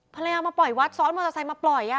มาปล่อยวัดซ้อนมอเตอร์ไซค์มาปล่อย